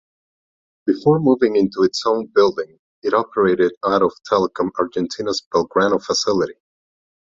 Before moving into its own building it operated out of Telecom Argentina's Belgrano facility.